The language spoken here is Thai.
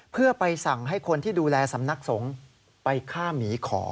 เพื่อไปสั่งให้คนที่ดูแลสำนักสงฆ์ไปฆ่าหมีขอ